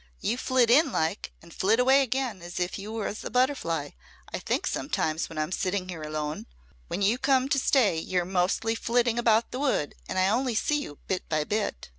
"You flit in like, and flit away again as if you was a butterfly, I think sometimes when I'm sitting here alone. When you come to stay you're mostly flitting about the wood and I only see you bit by bit.